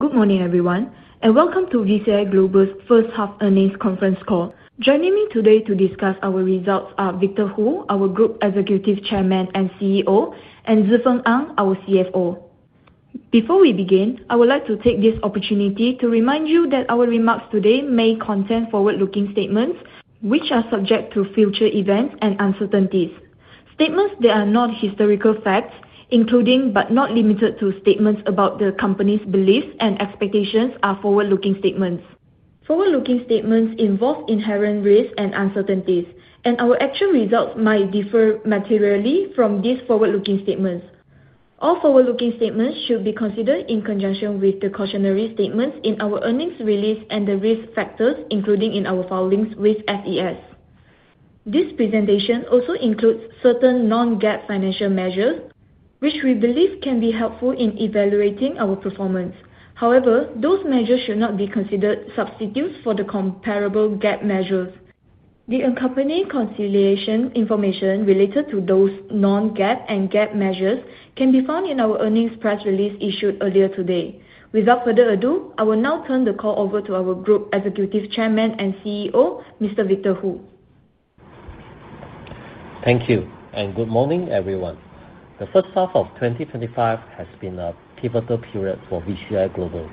Good morning, everyone, and welcome to VCI Global's First Half Earnings Conference Call. Joining me today to discuss our results are Victor Hoo, our Group Executive Chairman and CEO, and Zhi Feng Ang, our CFO. Before we begin, I would like to take this opportunity to remind you that our remarks today may contain forward-looking statements, which are subject to future events and uncertainties. Statements that are not historical facts, including but not limited to statements about the company's beliefs and expectations, are forward-looking statements. Forward-looking statements involve inherent risks and uncertainties, and our actual results might differ materially from these forward-looking statements. All forward-looking statements should be considered in conjunction with the cautionary statements in our earnings release and the risk factors, including in our filings with SEC. This presentation also includes certain non-GAAP financial measures, which we believe can be helpful in evaluating our performance. However, those measures should not be considered substitutes for the comparable GAAP measures. The company conciliation information related to those non-GAAP and GAAP measures can be found in our earnings press release issued earlier today. Without further ado, I will now turn the call over to our Group Executive Chairman and CEO, Mr. Victor Hoo. Thank you, and good morning, everyone. The first half of 2025 has been a pivotal period for VCI Global.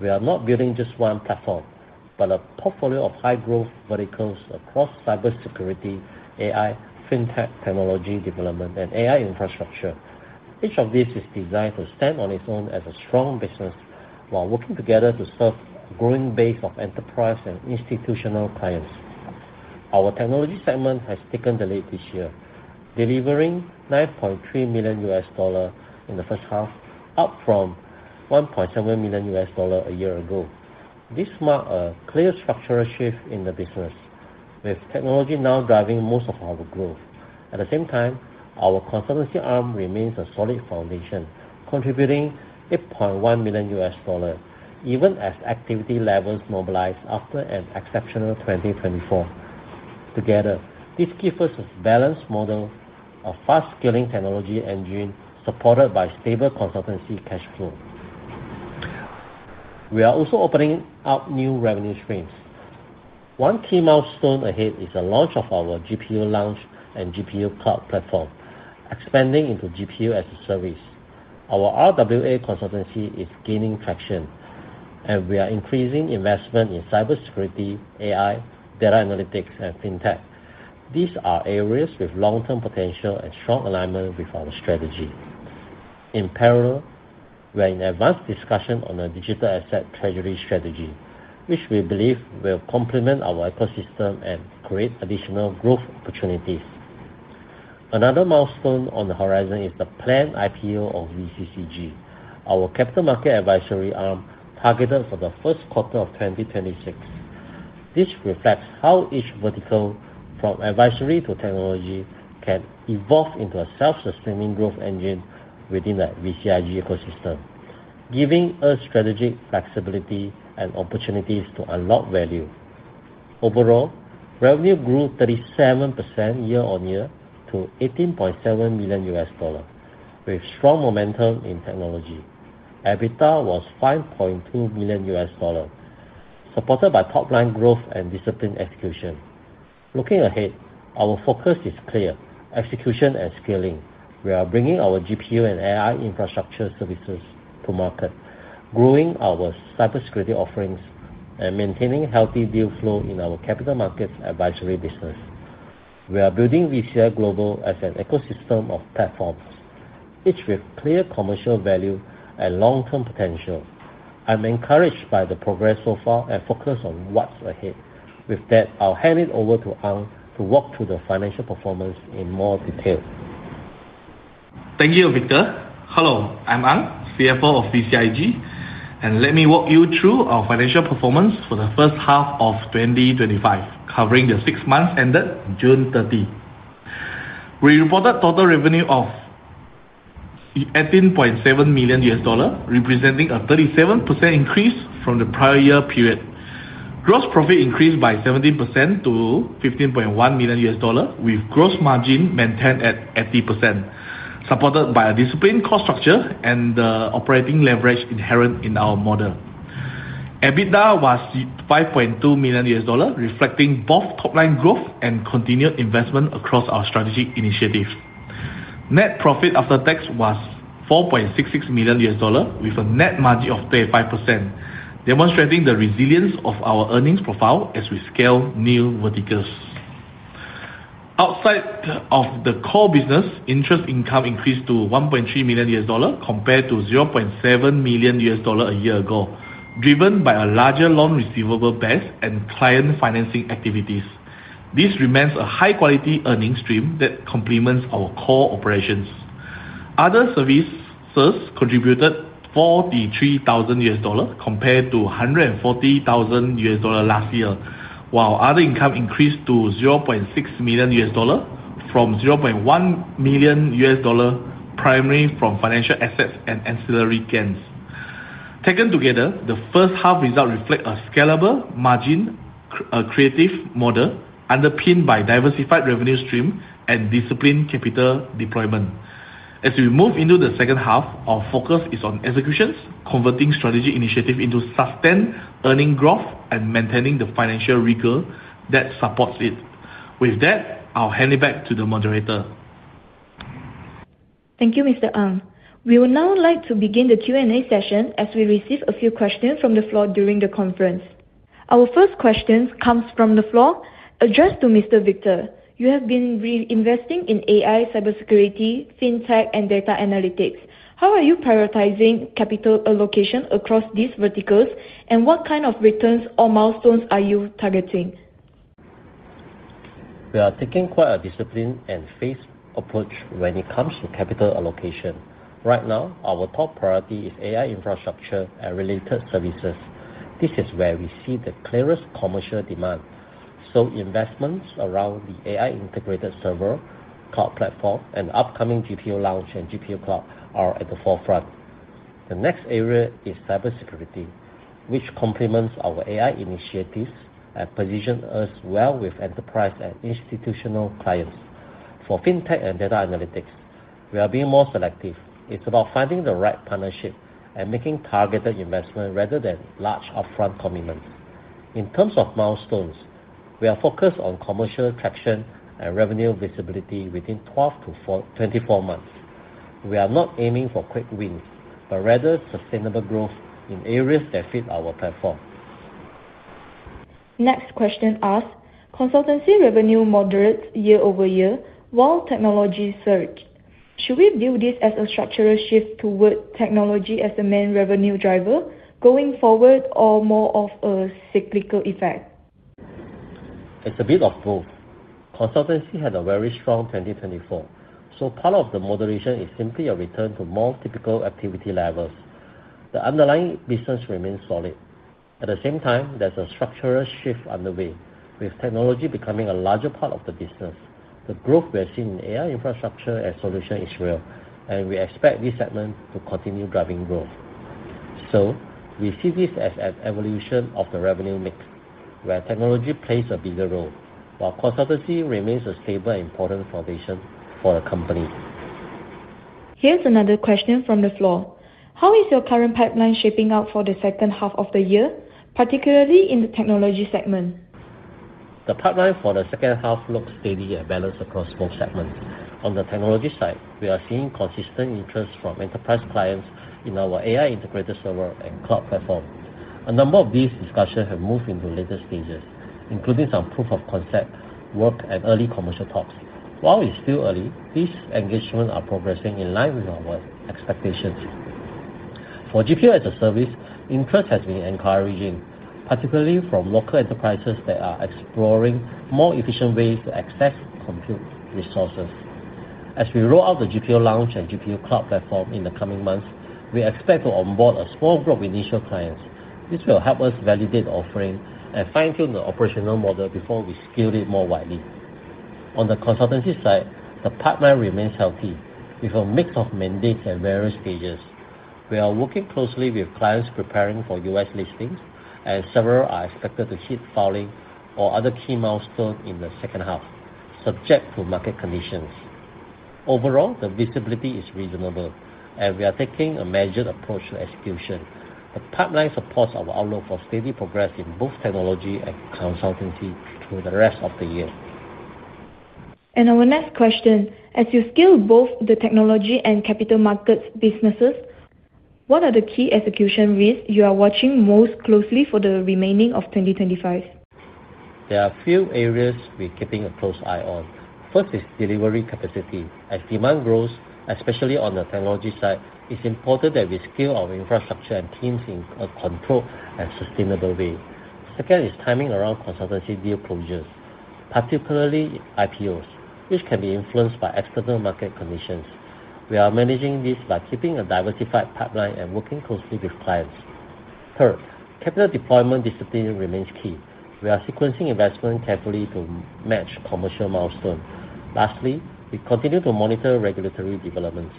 We are not building just one platform, but a portfolio of high-growth verticals across cybersecurity, AI, fintech technology development, and AI infrastructure. Each of these is designed to stand on its own as a strong business while working together to serve a growing base of enterprise and institutional players. Our technology segment has taken the lead this year, delivering $9.3 million in the first half, up from $1.7 million a year ago. This marks a clear structural shift in the business, with technology now driving most of our growth. At the same time, our consultancy arm remains a solid foundation, contributing $8.1 million, even as activity levels mobilize after an exceptional 2024. Together, this gives us a balanced model of fast-scaling technology engine supported by stable consultancy cash flow. We are also opening up new revenue streams. One key milestone ahead is the launch of our SecureGPU launch and GPU cloud platform, expanding into GPU-as-a-Service. Our RWA consultancy is gaining traction, and we are increasing investment in cybersecurity, AI, data analytics, and fintech. These are areas with long-term potential and strong alignment with our strategy. In parallel, we are in an advanced discussion on a digital asset treasury strategy, which we believe will complement our ecosystem and create additional growth opportunities. Another milestone on the horizon is the planned IPO of VCCG, our capital market advisory arm targeted for the first quarter of 2026. This reflects how each vertical, from advisory to technology, can evolve into a self-sustaining growth engine within the VCIG ecosystem, giving us strategic flexibility and opportunities to unlock value. Overall, revenue grew 37% year-on-year to $18.7 million, with strong momentum in technology. EBITDA was $5.2 million, supported by top-line growth and disciplined execution. Looking ahead, our focus is clear: execution and scaling. We are bringing our GPU and AI infrastructure services to market, growing our cybersecurity offerings, and maintaining healthy deal flow in our capital markets advisory business. We are building VCI Global as an ecosystem of platforms, each with clear commercial value and long-term potential. I'm encouraged by the progress so far and focused on what's ahead. With that, I'll hand it over to Ang to walk through the financial performance in more detail. Thank you, Victor. Hello, I'm Ang, CFO of VCIG, and let me walk you through our financial performance for the first half of 2025, covering the six months ended on June 30. We reported total revenue of $18.7 million, representing a 37% increase from the prior year period. Gross profit increased by 17% to $15.1 million, with gross margin maintained at 80%, supported by a disciplined cost structure and the operating leverage inherent in our model. EBITDA was $5.2 million, reflecting both top-line growth and continued investment across our strategic initiatives. Net profit after tax was $4.66 million, with a net margin of 35%, demonstrating the resilience of our earnings profile as we scale new verticals. Outside of the core business, interest income increased to $1.3 million compared to $0.7 million a year ago, driven by a larger loan receivable base and client financing activities. This remains a high-quality earnings stream that complements our core operations. Other services contributed $43,000 compared to $140,000 last year, while other income increased to $0.6 million from $0.1 million primarily from financial assets and ancillary gains. Taken together, the first half results reflect a scalable, margin-creating model, underpinned by a diversified revenue stream and disciplined capital deployment. As we move into the second half, our focus is on executions, converting strategic initiatives into sustained earning growth and maintaining the financial rigor that supports it. With that, I'll hand it back to the moderator. Thank you, Mr. Ang. We would now like to begin the Q&A session as we receive a few questions from the floor during the conference. Our first question comes from the floor, addressed to Mr. Victor. You have been reinvesting in AI, cybersecurity, fintech, and data analytics. How are you prioritizing capital allocation across these verticals, and what kind of returns or milestones are you targeting? We are taking quite a disciplined and phased approach when it comes to capital allocation. Right now, our top priority is AI infrastructure and related services. This is where we see the clearest commercial demand. Investments around the AI-integrated server, cloud platform, and upcoming SecureGPU launch and GPU cloud are at the forefront. The next area is cybersecurity, which complements our AI initiatives and positions us well with enterprise and institutional clients. For fintech and data analytics, we are being more selective. It's about finding the right partnership and making targeted investments rather than large upfront commitments. In terms of milestones, we are focused on commercial traction and revenue visibility within 12 months-24 months. We are not aiming for quick wins, but rather sustainable growth in areas that fit our platform. Next question asks, consultancy revenue moderates year-over-year while technology surges. Should we view this as a structural shift toward technology as the main revenue driver going forward, or more of a cyclical effect? It's a bit of both. Consultancy had a very strong 2024, so part of the moderation is simply a return to more typical activity levels. The underlying business remains solid. At the same time, there's a structural shift underway, with technology becoming a larger part of the business. The growth we have seen in AI infrastructure and solutions is real, and we expect this segment to continue driving growth. We see this as an evolution of the revenue mix, where technology plays a bigger role, while consultancy remains a stable and important foundation for the company. Here's another question from the floor. How is your current pipeline shaping out for the second half of the year, particularly in the technology segment? The pipeline for the second half looks steady and balanced across both segments. On the technology side, we are seeing consistent interest from enterprise clients in our AI-integrated server and cloud platform. A number of these discussions have moved into later stages, including some proof of concept work and early commercial talks. While it's still early, these engagements are progressing in line with our expectations. For GPU-as-a-Service, interest has been encouraging, particularly from local enterprises that are exploring more efficient ways to access compute resources. As we roll out the SecureGPU launch and GPU cloud platform in the coming months, we expect to onboard a small group of initial clients. This will help us validate the offering and fine-tune the operational model before we scale it more widely. On the consultancy side, the pipeline remains healthy, with a mix of mandates at various stages. We are working closely with clients preparing for U.S. listings, and several are expected to ship filings or other key milestones in the second half, subject to market conditions. Overall, the visibility is reasonable, and we are taking a measured approach to execution. The pipeline supports our outlook for steady progress in both technology and consultancy through the rest of the year. As you scale both the technology and capital markets businesses, what are the key execution risks you are watching most closely for the remaining of 2025? There are a few areas we're keeping a close eye on. First is delivery capacity. As demand grows, especially on the technology side, it's important that we scale our infrastructure and teams in a controlled and sustainable way. Second is timing around consultancy deal closures, particularly IPOs, which can be influenced by external market conditions. We are managing this by keeping a diversified pipeline and working closely with clients. Third, capital deployment discipline remains key. We are sequencing investment carefully to match commercial milestones. Lastly, we continue to monitor regulatory developments,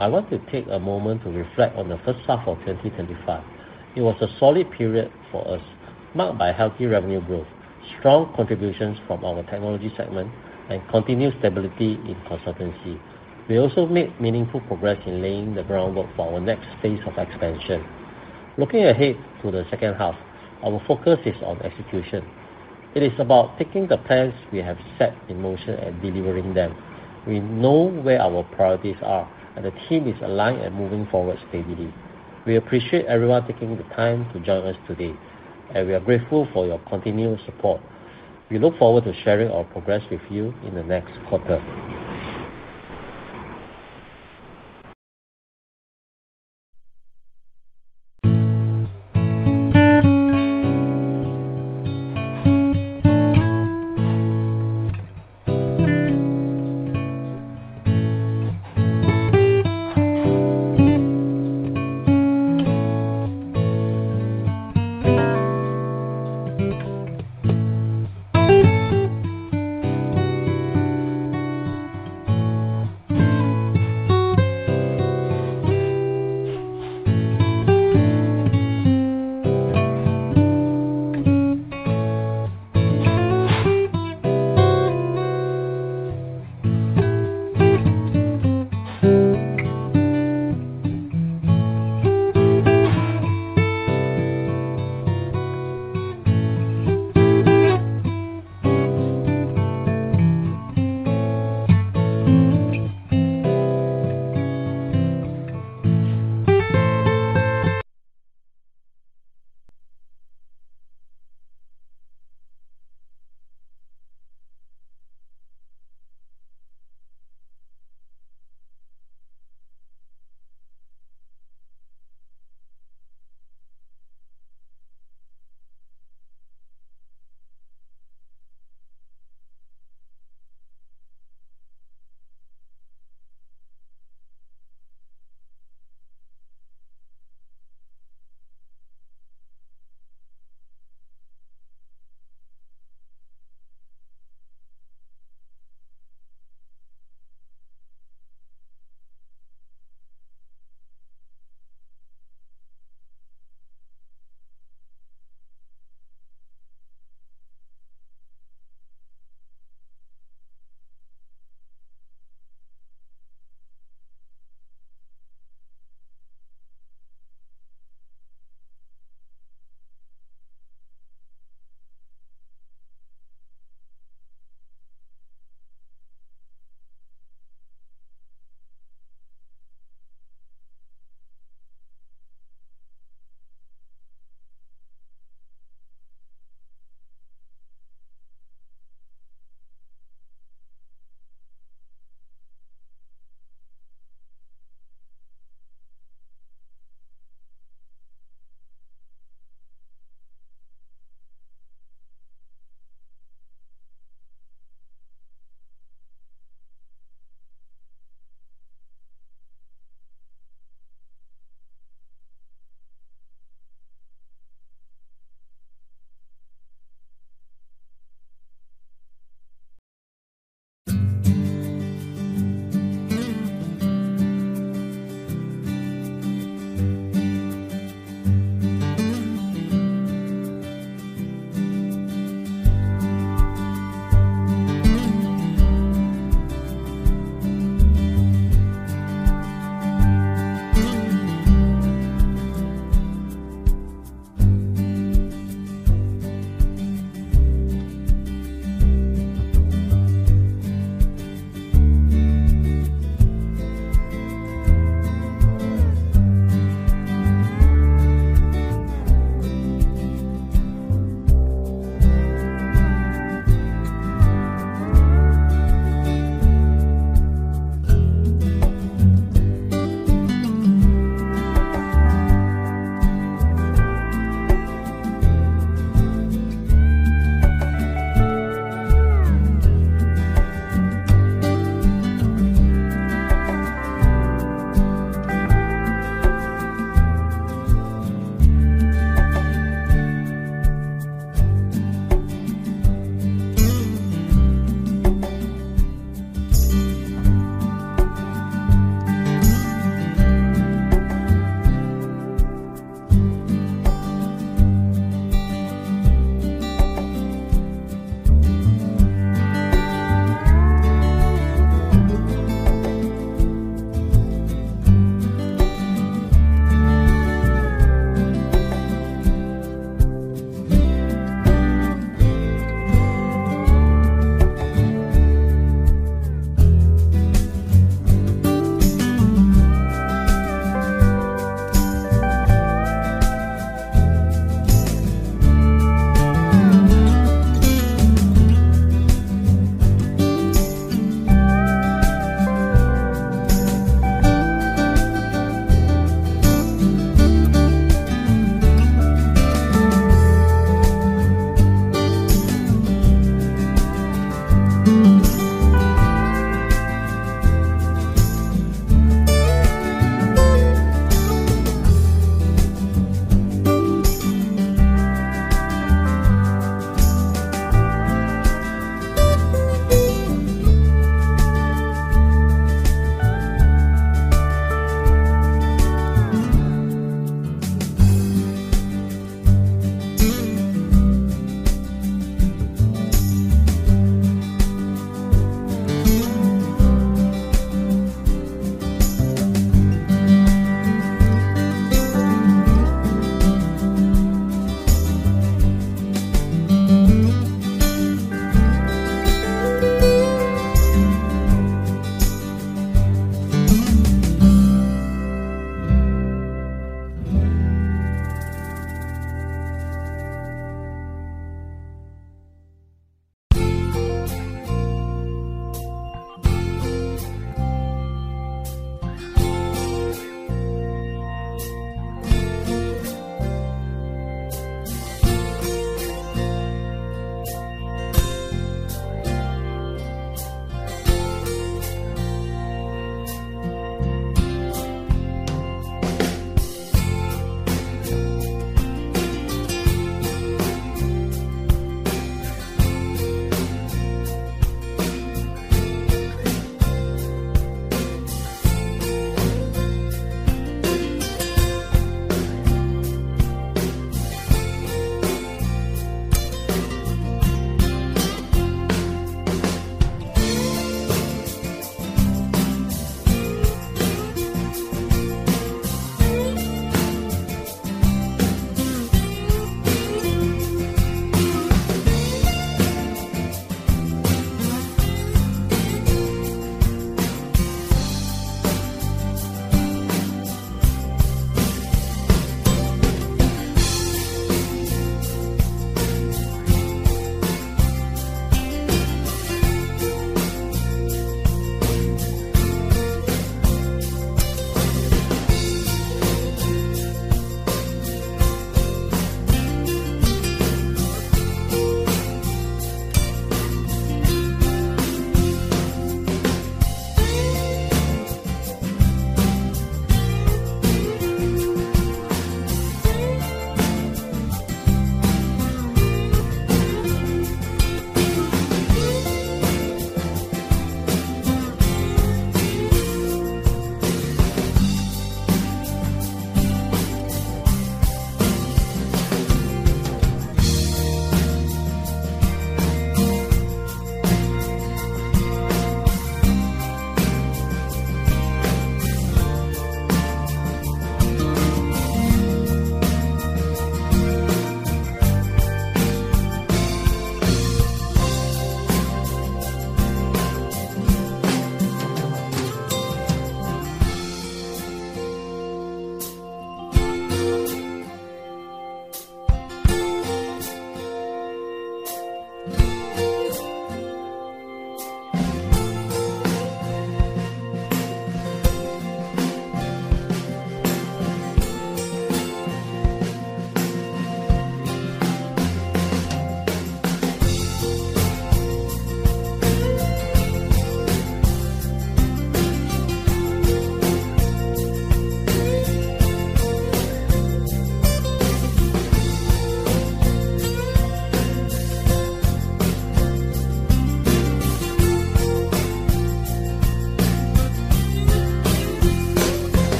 I want to take a moment to reflect on the first half of 2025. It was a solid period for us, marked by healthy revenue growth, strong contributions from our technology segment, and continued stability in consultancy. We also made meaningful progress in laying the groundwork for our next phase of expansion. Looking ahead to the second half, our focus is on execution. It is about taking the plans we have set in motion and delivering them. We know where our priorities are, and the team is aligned and moving forward steadily. We appreciate everyone taking the time to join us today, and we are grateful for your continued support. We look forward to sharing our progress with you in the next quarter.